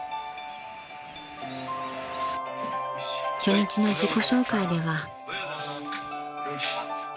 ［初日の自己紹介では］